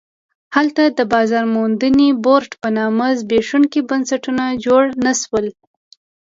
هلته د بازار موندنې بورډ په نامه زبېښونکي بنسټونه جوړ نه شول.